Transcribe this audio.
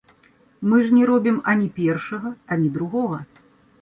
Мы ж не робім ані першага, ані другога.